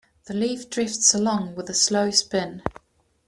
The leaf drifts along with a slow spin.